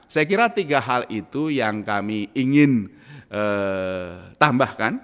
saya kira tiga hal itu yang kami ingin tambahkan